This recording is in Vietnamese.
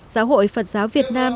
giáo hội phật giáo việt nam